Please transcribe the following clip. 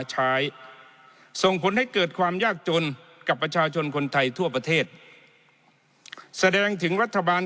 ใช้ส่งผลให้เกิดความยากจนกับประชาชนคนไทยทั่วประเทศแสดงถึงรัฐบาล